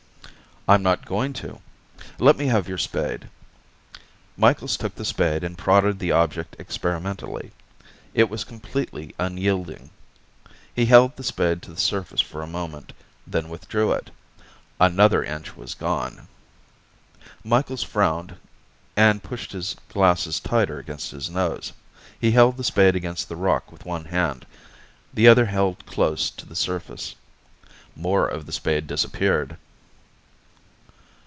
"I'm not going to. Let me have your spade." Micheals took the spade and prodded the object experimentally. It was completely unyielding. He held the spade to the surface for a moment, then withdrew it. Another inch was gone. Micheals frowned, and pushed his glasses tighter against his nose. He held the spade against the rock with one hand, the other held close to the surface. More of the spade disappeared.